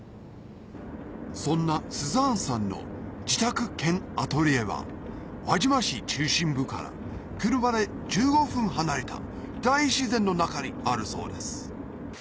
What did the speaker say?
そんなスザーンさんの自宅兼アトリエは輪島市中心部から車で１５分離れた大自然の中にあるそうです